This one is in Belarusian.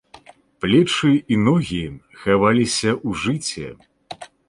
Плечы і ногі хаваліся ў жыце.